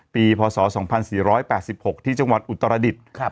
พศ๒๔๘๖ที่จังหวัดอุตรดิษฐ์